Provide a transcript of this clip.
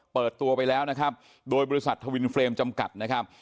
เปิดตัวไปแล้วนะครับโดยบริษัททวินเฟรมจำกัดนะครับ